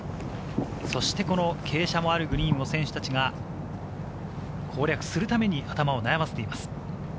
そして傾斜もあるグリーンを選手たちが攻略するために頭を悩ませています。